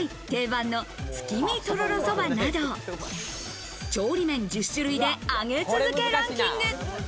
これからの季節にぜひ食べたい定番の月見とろろそばなど、調理麺１０種類で上げ続けランキング。